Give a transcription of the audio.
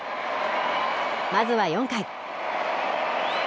まずは４回。